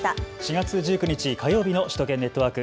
４月１９日火曜日の首都圏ネットワーク。